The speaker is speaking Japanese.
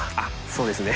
そうですか。